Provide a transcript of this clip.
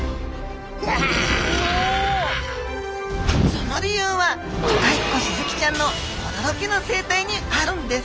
その理由は都会っ子スズキちゃんの驚きの生態にあるんです！